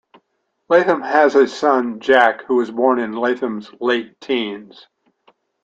Latham has a son, Jack, who was born in Latham's late teens.